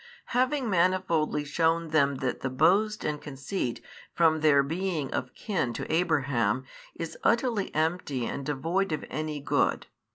Having manifoldly shewn them that the boast and conceit from their being of kin to Abraham is utterly empty and devoid of any good.